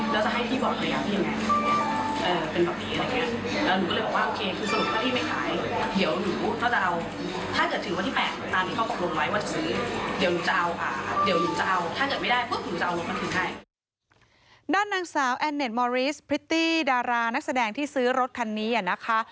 ด้านนางสาวแอนเน็ตมอริสพริตตี้ดารานักแสดงที่ซื้อรถคันนี้นะคะ